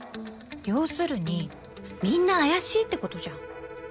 要するにみんな怪しいってことじゃん。